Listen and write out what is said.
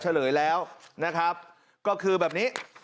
เฉลยแล้วนะครับก็คือแบบนี้